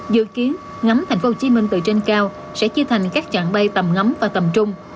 dự kiến ngắm thành phố hồ chí minh từ trên cao sẽ chia thành các chặng bay tầm ngắm và tầm trung